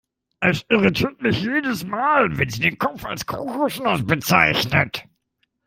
Es irritiert mich jedes Mal, wenn sie den Kopf als Kokosnuss bezeichnet.